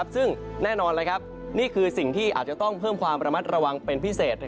ซึ่งแน่นอนนี่คือสิ่งที่อาจจะต้องเพิ่มความระมัดระวังเป็นพิเศษ